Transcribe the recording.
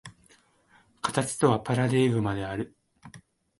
形とはパラデーグマである。